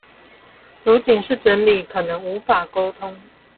如僅是整理可能無法溝通